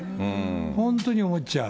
本当に思っちゃう。